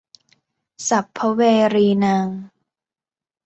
สัพพะเวรีนัง